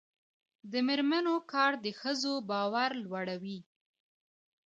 د میرمنو کار د ښځو باور لوړوي.